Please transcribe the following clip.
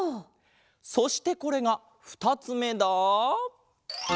そしてこれがふたつめだ。